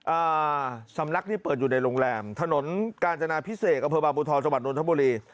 อ่าสำนักที่เปิดอยู่ในโรงแรมถนนกาญจนาภิเษษกระเภอบาปมูธรสวรรค์นวลธมบุรี